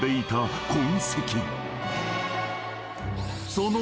［その］